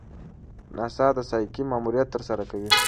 ناسا د سایکي ماموریت ترسره کوي.